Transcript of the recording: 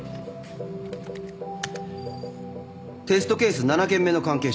テストケース７件目の関係者